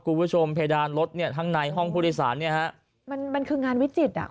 คุณผู้ชมเพดานรถเนี้ยข้างในห้องผู้โดยสารเนี้ยฮะมันมันคืองานวิจิตรอ่ะ